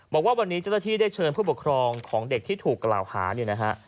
บอกว่าวันนี้เจ้าหน้าที่ได้เชิญผู้ปกครองของเด็กที่ถูกกล่าวหาเนี่ยนะฮะ